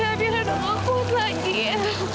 amirah gak kuat lagi ya